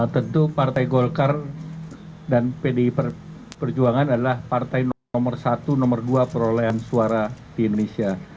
tentu partai golkar dan pdi perjuangan adalah partai nomor satu nomor dua perolehan suara di indonesia